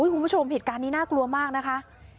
คุณผู้ชมเหตุการณ์นี้น่ากลัวมากนะคะ